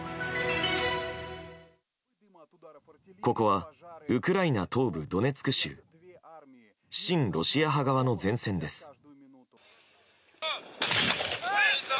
ここはウクライナ東部ドネツク州親ロシア派側の前線です。